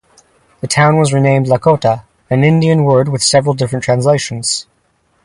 The town was renamed Lakota, an Indian word with several different translations.